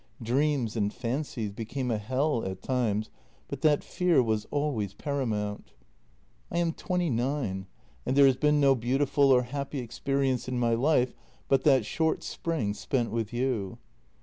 Dreams and fancies became a hell at times, but that fear was always paramount. " I am twenty nine and there has been no beautiful or happy experience in my life but that short spring spent with you.